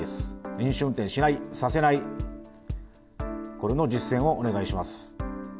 飲酒運転しない、させない、これの実践をお願いします。